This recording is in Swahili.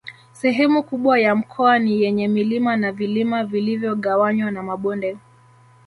Sehemu kubwa ya mkoa ni yenye milima na vilima vilivyogawanywa na mabonde